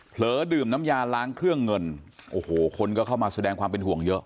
ดื่มน้ำยาล้างเครื่องเงินโอ้โหคนก็เข้ามาแสดงความเป็นห่วงเยอะ